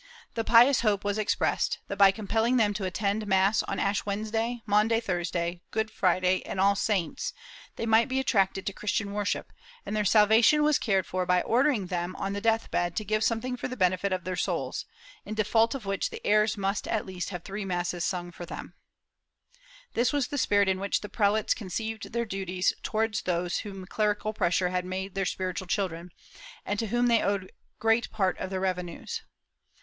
The pious hope was expressed that, by compelling ' Col. de DocumentoR, T. V, p. 81. » Ibidem, T. V, pp. 92, 93, 102 7. 368 MOEISCOS [Book VIII them to attend mass on Ash Wednesday, Maimdy Thursday, Good Friday and All Saints, they might be attracted to Christian worship, and their salvation was cared for by ordering them on the death bed to give something for the benefit of their souls, in default of which the heirs must at least have three masses sung for them/ This was the spirit in which the prelates conceived their duties towards those whom clerical pressure had made their spiritual children, and to whom they owed great part of their revenues.